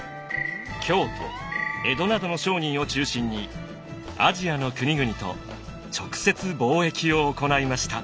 京都江戸などの商人を中心にアジアの国々と直接貿易を行いました。